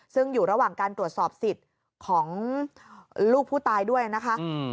ซึ่งอยู่ระหว่างการตรวจสอบสิทธิ์ของลูกผู้ตายด้วยนะคะ